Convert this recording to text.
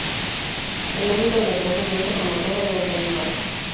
El ámbito de actuación de esta promotora era el País Vasco.